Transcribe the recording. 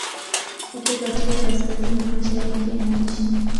Uko katika Kaskazini mashariki ya nchi.